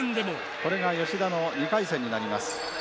これが吉田の２回戦になります。